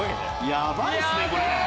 ヤバいっすねこれ。